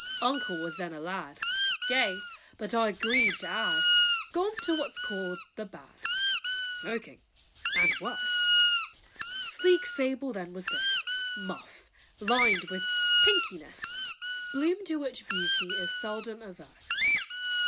_" Uncle was then a lad, Gay, but, I grieve to add, Gone to what's called "the bad," Smoking, and worse! Sleek sable then was this Muff, lined with pinkiness, Bloom to which beauty is Seldom averse.